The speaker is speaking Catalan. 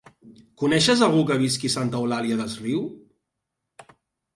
Coneixes algú que visqui a Santa Eulària des Riu?